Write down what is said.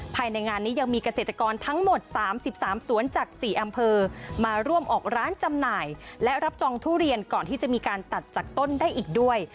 ภายในงานนี้ยังมีเกษตรกรทั้งหมด๓๓สวนจาก๔อำเภอมาร่วมออกร้านจำหน่ายและรับจองทุเรียนก่อนที่จะมีการตัดจากต้นได้อีกด้วย